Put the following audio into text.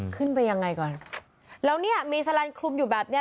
ขึ้นไปยังไงก่อนแล้วเนี่ยมีสลันคลุมอยู่แบบเนี้ย